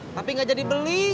tapi gak jadi beli